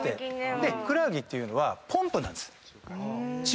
でふくらはぎっていうのはポンプなんです。